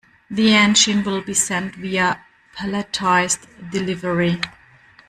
The engine will be sent via palletized delivery.